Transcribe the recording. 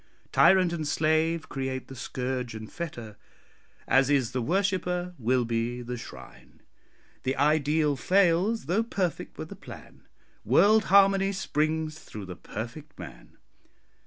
Tyrant and slave create the scourge and fetter As is the worshipper, will be the shrine. The ideal fails, though perfect were the plan, World harmony springs through the perfect man.